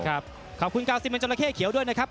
ขอบคุณกาวซิเมนจราเข้เขียวด้วยนะครับ